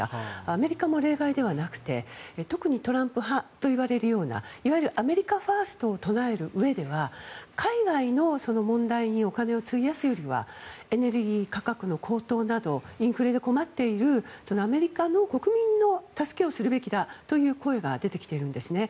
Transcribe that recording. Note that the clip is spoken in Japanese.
アメリカも例外ではなくて特にトランプ派といわれるようないわゆるアメリカファーストを唱えるうえでは海外の問題にお金を費やすよりはエネルギー価格の高騰などインフレで困っているアメリカの国民の助けをするべきだという声が出てきているんですね。